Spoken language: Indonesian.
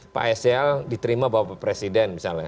pak sl diterima bapak presiden